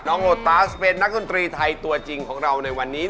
โลตัสเป็นนักดนตรีไทยตัวจริงของเราในวันนี้